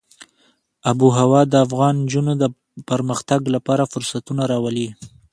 آب وهوا د افغان نجونو د پرمختګ لپاره فرصتونه راولي.